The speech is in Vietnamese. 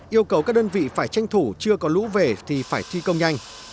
yêu cầu các đơn vị phải tranh thủ chưa có lũ về thì phải thi công nhanh